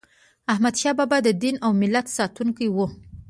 احمدشاه بابا د دین او ملت ساتونکی و.